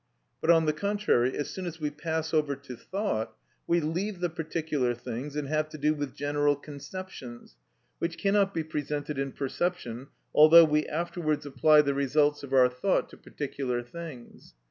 But, on the contrary, as soon as we pass over to thought, we leave the particular things, and have to do with general conceptions, which cannot be presented in perception, although we afterwards apply the results of our thought to particular things.